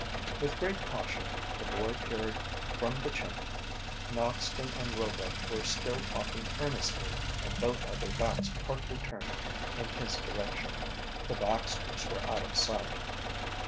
With great caution the boy peered from the chimney. Noxton and Roebuck were still talking earnestly and both had their backs partly turned in his direction. The Baxters were out of sight.